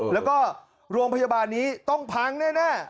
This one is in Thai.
แล้วก็โรงพยาบาลนี้ต้องพังแน่